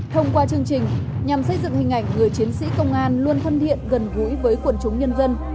thông qua chương trình nhằm xây dựng hình ảnh người chiến sĩ công an luôn thân thiện gần gũi với quần chúng nhân dân